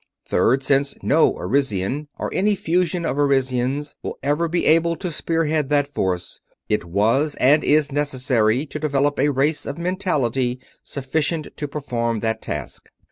Third: since no Arisian or any fusion of Arisians will ever be able to spear head that force, it was and is necessary to develop a race of mentality sufficient to perform that task.